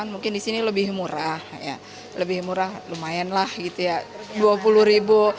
mungkin di sini lebih murah lebih murah lumayan lah gitu ya dua puluh ribu